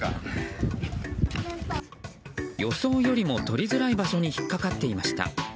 予想よりも取りづらい場所に引っかかっていました。